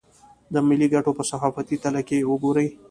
د ملي ګټو په صحافتي تله که وګوري.